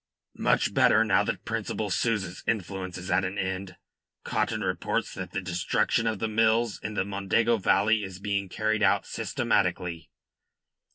"Much better now that Principal Souza's influence is at an end. Cotton reports that the destruction of the mills in the Mondego valley is being carried out systematically."